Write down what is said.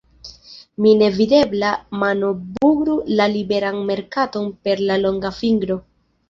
La Nevidebla Mano bugru la Liberan Merkaton per la longa fingro!